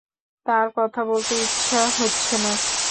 তার কথা বলতে ইচ্ছা হচ্ছে না।